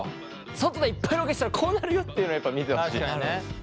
外でいっぱいロケしたらこうなるよっていうのをやっぱ見てほしい。